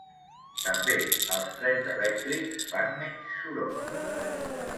També els trens elèctrics fan menys soroll.